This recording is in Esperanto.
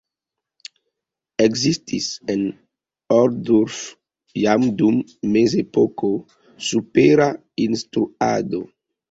Ekzistis en Ohrdruf jam dum Mezepoko supera instruado.